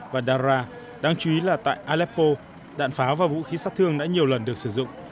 và dara đáng chú ý là tại aleppo đạn pháo và vũ khí sát thương đã nhiều lần được sử dụng